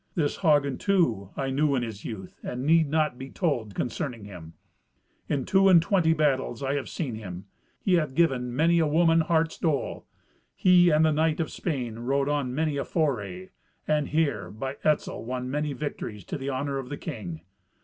This Hagen, too, I knew in his youth, and need not to be told concerning him. In two and twenty battles I have seen him. He hath given many a woman heart's dole. He and the knight of Spain rode on many a foray, and here, by Etzel, won many victories to the honour of the king.